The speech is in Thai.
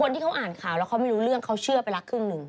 ที่เขาอ่านข่าวแล้วเขาไม่รู้เรื่องเขาเชื่อไปละครึ่งหนึ่ง